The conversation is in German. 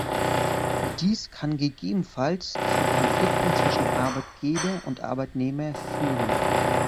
Dies kann gegebenenfalls zu Konflikten zwischen Arbeitgeber und Arbeitnehmer führen.